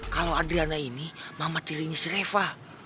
kalo adriana ini mamat dirinya si reva